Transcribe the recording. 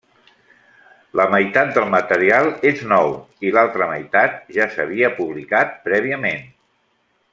La meitat del material és nou i l’altra meitat ja sàvia publicat prèviament.